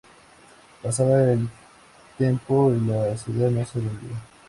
Pasaba el tempo y la ciudad no se rendía.